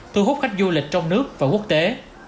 thu hút khách du lịch trong nước và quốc tế